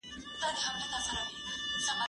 زه مړۍ نه خورم!؟